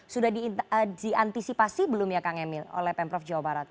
sudah diantisipasi belum ya kang emil oleh pemprov jawa barat